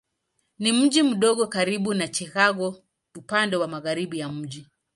Ni mji mdogo karibu na Chicago upande wa magharibi ya mji.